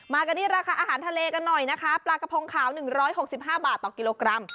มากันดีละคะอาหารทะเลกันหน่อยนะคะปลากระพงขาวหนึ่งร้อยหกสิบห้าบาทต่อกิโลกรัม